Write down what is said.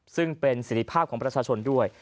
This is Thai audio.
ซึ่งเป็นสิทธิภาพของประชาชนด้วย